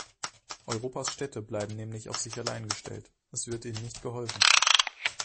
Europas Städte bleiben nämlich auf sich allein gestellt, es wird ihnen nicht geholfen.